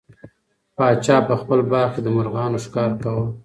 پاچا په خپل باغ کې د مرغانو ښکار کاوه.